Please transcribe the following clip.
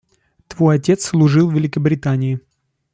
Твой отец служил Великобритании.